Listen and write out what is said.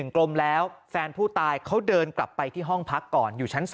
กลมแล้วแฟนผู้ตายเขาเดินกลับไปที่ห้องพักก่อนอยู่ชั้น๒